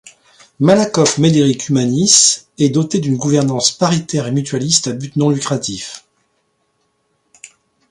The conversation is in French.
Malakoff Médéric Humanis est doté d’une gouvernance paritaire et mutualiste à but non lucratif.